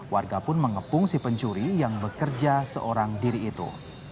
warga pun mengepung si pencuri yang bekerja seorang diri itu